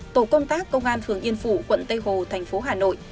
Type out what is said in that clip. tổ công tác công an phường yên phụ quận tây hồ thành phố hà nội